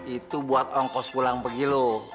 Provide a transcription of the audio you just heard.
itu buat ongkos pulang pergi loh